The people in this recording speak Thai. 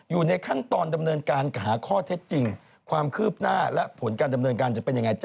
อยู่ในขั้นตอนดำเนินการหาข้อเท็จจริงความคืบหน้าและผลการดำเนินการจะเป็นยังไง